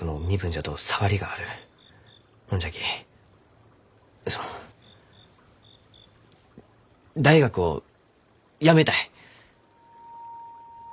ほんじゃきその大学を辞めたい。